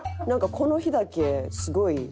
なんかこの日だけすごい。